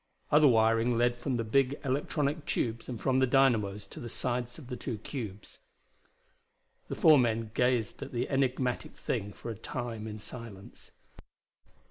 Other wiring led from the big electronic tubes and from the dynamos to the sides of the two cubes. The four men gazed at the enigmatic thing for a time in silence.